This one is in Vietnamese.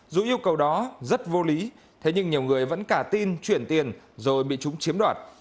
dù yêu cầu đó rất vô lý thế nhưng nhiều người vẫn cả tin chuyển tiền rồi bị chúng chiếm đoạt